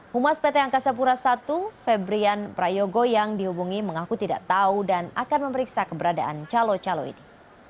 humas pt angkasa pura i febrian prayogo yang dihubungi mengaku tidak tahu dan akan memeriksa keberadaan calo calo ini